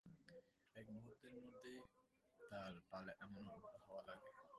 এক মুহূর্তের মধ্যেই তার পালে এমন উল্টো হাওয়া লাগে!